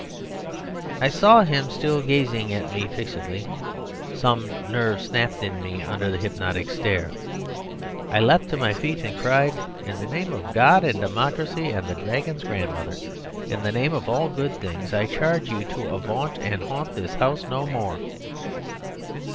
I saw him still gazing at me fixedly. Some nerve snapped in me under the hypnotic stare. I leapt to my feet and cried, "In the name of God and Democracy and the Dragon's grandmother in the name of all good things I charge you to avaunt and haunt this house no more."